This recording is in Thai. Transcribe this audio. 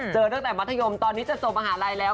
เจอตั้งแต่มัธยมตอนนี้จะจบมหาลัยแล้ว